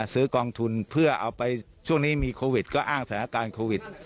ซื้อกองทุนเพื่อเอาไปช่วงนี้มีโควิดก็อ้างสถานการณ์โควิด